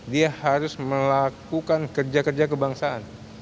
dia harus melakukan kerja kerja kebangsaan